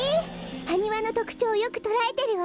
ハニワのとくちょうよくとらえてるわ。